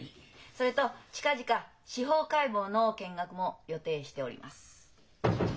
それと近々司法解剖の見学も予定しております。